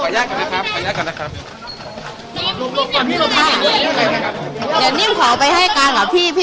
อยากจะพูดอะไรหน่อยครับ